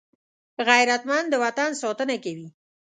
غیرتمند د وطن ساتنه کوي